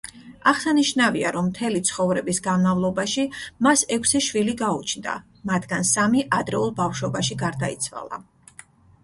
აღსანიშნავია, რომ მთელი ცხოვრების განმავლობაში მას ექვსი შვილი გაუჩნდა, მათგან სამი ადრეულ ბავშვობაში გარდაიცვალა.